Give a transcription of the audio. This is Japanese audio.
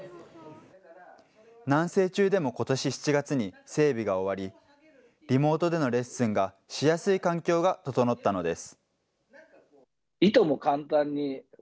南西中でもことし７月に整備が終わり、リモートでのレッスンがしやすい環境が整ったのです。